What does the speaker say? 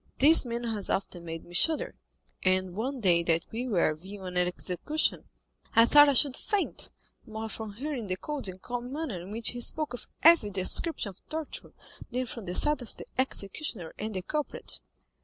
This man has often made me shudder; and one day when we were viewing an execution, I thought I should faint, more from hearing the cold and calm manner in which he spoke of every description of torture, than from the sight of the executioner and the culprit."